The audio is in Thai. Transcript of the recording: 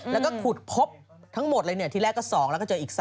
แล้วก็ขุดพบทั้งหมดเลยทีแรกก็๒แล้วก็เจออีก๓